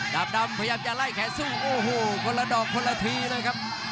ดำพยายามจะไล่แขนสู้โอ้โหคนละดอกคนละทีเลยครับ